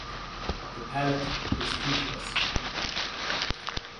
The palate is toothless.